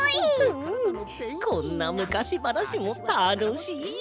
うんこんなむかしばなしもたのしい。